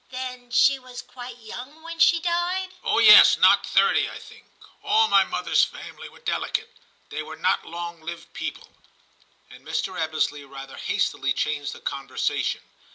'Then she was quite young when she died ?'* Oh yes, not thirty, I think ; all my mother s family were delicate ; they were not long lived people.' And Mr. Ebbesley rather hastily changed the conversation.